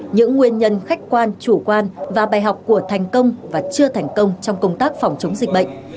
những nguyên nhân khách quan chủ quan và bài học của thành công và chưa thành công trong công tác phòng chống dịch bệnh